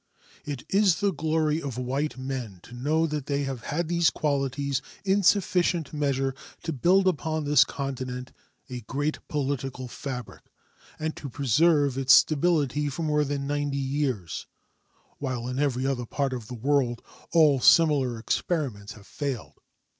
It is the glory of white men to know that they have had these qualities in sufficient measure to build upon this continent a great political fabric and to preserve its stability for more than ninety years, while in every other part of the world all similar experiments have failed.